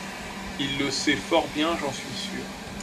il le sait fort bien, j'en suis sure.